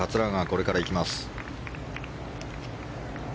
これから行きます。